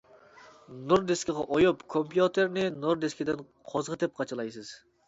نۇر دىسكىغا ئويۇپ، كومپيۇتېرنى نۇر دىسكىدىن قوزغىتىپ قاچىلايسىز.